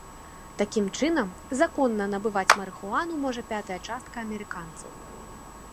Такім чынам, законна набываць марыхуану можа пятая частка амерыканцаў.